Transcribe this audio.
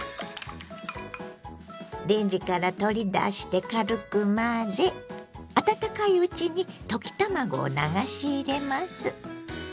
レンジから取り出して軽く混ぜ温かいうちに溶き卵を流し入れます。